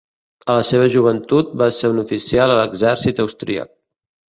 A la seva joventut, va ser un oficial a l'exèrcit austríac.